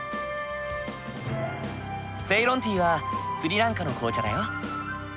セイロンティーはスリランカの紅茶だよ。